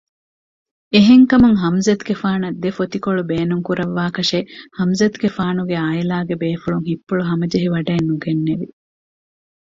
އެހެންކަމުން ޙަމްޒަތުގެފާނަށް ދެފޮތިކޮޅު ބޭނުންކުރައްވާކަށެއް ޙަމްޒަތުގެފާނުގެ ޢާއިލާގެ ބޭފުޅުން ހިތްޕުޅުހަމަޖެހިވަޑައެއް ނުގެންނެވި